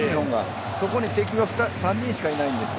そこに敵が３人しかいないんですよ。